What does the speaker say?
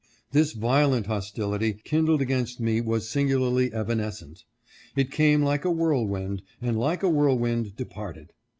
This violent hostility kindled against me was singularly evanescent. It came like a whirlwind, and like a whirl wind departed.